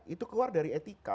itu keluar dari etika